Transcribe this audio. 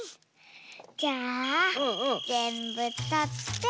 じゃあぜんぶとって。